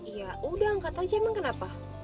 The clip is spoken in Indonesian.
iya udah angkat aja emang kenapa